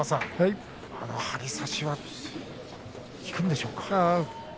この張り差しは効くんでしょうか？